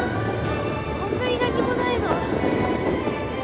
こんなに何にもないの？